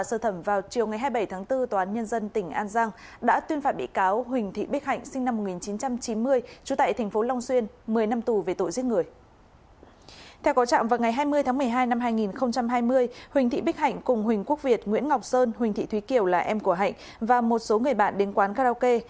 theo có trạm vào ngày hai mươi tháng một mươi hai năm hai nghìn hai mươi huỳnh thị bích hạnh cùng huỳnh quốc việt nguyễn ngọc sơn huỳnh thị thúy kiều là em của hạnh và một số người bạn đến quán karaoke